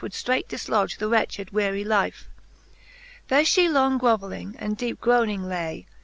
Would ftreight diflodge the wretched wearie life. There fhe long groveling, and deepe groning lay.